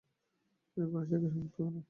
তিনি কুরআন শিক্ষা সমাপ্ত করেন।